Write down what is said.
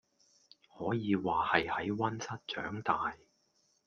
可以話係喺溫室長大⠀